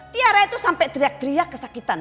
tiara itu sampai teriak teriak kesakitan